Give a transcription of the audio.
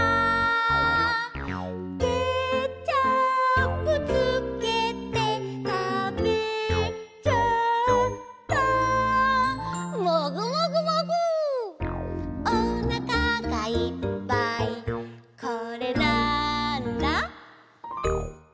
「ケチャップつけてたべちゃった」「」「おなかがいっぱいこれ、なんだ？」